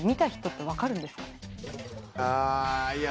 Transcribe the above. あいや